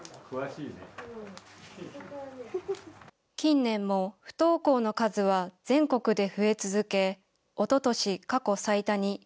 近年も不登校の数は全国で増え続け、おととし過去最多に。